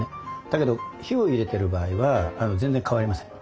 だけど火を入れてる場合は全然変わりません。